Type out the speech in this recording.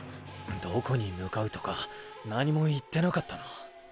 どこに向かうとか何も言ってなかったな。